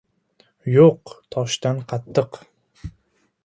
• “Yo‘q” — toshdan qattiq.